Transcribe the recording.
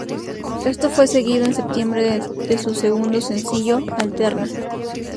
Esto fue seguido en septiembre de su segundo sencillo, Alterna.